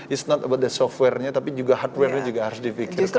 it's not about the software nya tapi juga hardware nya juga harus dipikirkan secara detail